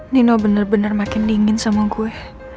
nino bener bener makin dingin sama gue